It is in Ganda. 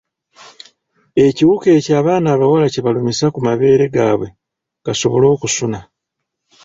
Ekiwuka ekyo abaana abawala kye balumisa ku mabeere gaabwe gasobole okusuna.